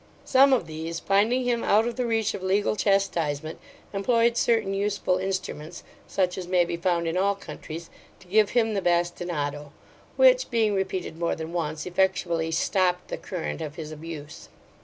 Some of these, finding him out of the reach of legal chastisement, employed certain useful instruments, such as may be found in all countries, to give him the bastinado; which, being repeated more than once, effectually stopt the current of his abuse.